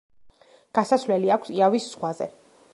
გასასვლელი აქვს იავის ზღვაზე.